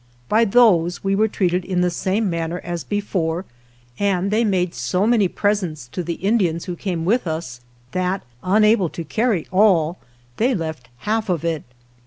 By those we were treated in the same manner as before, and they made so many presents to the Indians who came with us that, un able to carry all, they left half of it.